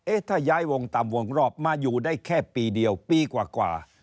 เอ๊ะถ้าย้ายวนตามวงรอบมาอยู่ได้แค่ปีเดียว